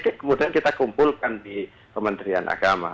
kemudian kita kumpulkan di kementerian agama